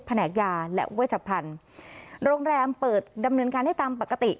แหนกยาและเวชพันธุ์โรงแรมเปิดดำเนินการให้ตามปกติ